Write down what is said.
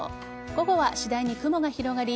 午後は次第に雲が広がり